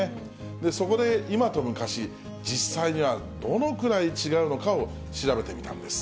そこで、今と昔、実際にはどのくらい違うのかを調べてみたんです。